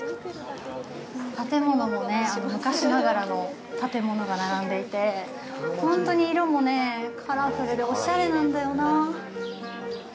建物もね、昔ながらの建物が並んでいて、ほんとに色もね、カラフルでオシャレなんだよなぁ。